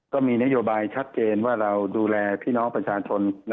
ก็มีนโยบายชัดเจนว่าเราดูแลพี่น้องประชาชน